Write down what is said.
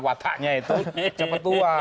wataknya itu cepat tua